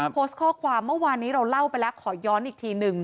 โพสต์ข้อความเมื่อวานนี้เราเล่าไปแล้วขอย้อนอีกทีหนึ่ง